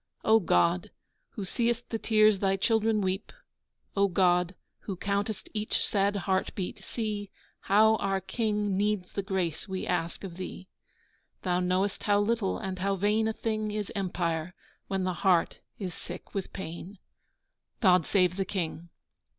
O God, who seest the tears Thy children weep, O God, who countest each sad heart beat, see How our King needs the grace we ask of Thee! Thou knowest how little and how vain a thing Is Empire, when the heart is sick with pain God, save the King!